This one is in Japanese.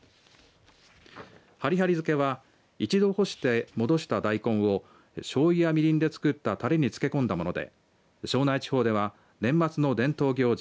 はりはり漬けは一度干して戻した大根をしょうゆやみりんで作ったたれに漬け込んだもので庄内地方では年末の伝統行事